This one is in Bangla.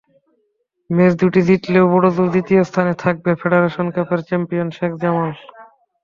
ম্যাচ দুটি জিতলেও বড়জোর দ্বিতীয় স্থানে থাকবে ফেডারেশন কাপের চ্যাম্পিয়ন শেখ জামাল।